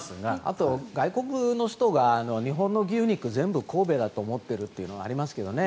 あと、外国の人が日本の牛肉全部神戸だと思っているというのはありますけどね。